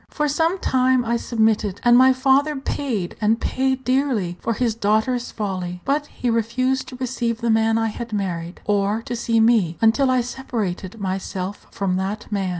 For some time I submitted, and my father paid, and paid dearly, for his daughter's folly; but he refused to receive the man I had married, or to see me until I separated myself from that man.